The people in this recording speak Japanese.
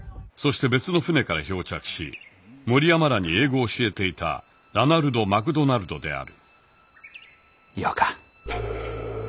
そして別の船から漂着し森山らに英語を教えていたラナルド・マクドナルドであるヨカ。